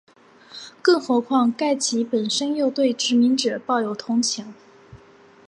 更何况盖奇本身又对殖民者抱有同情。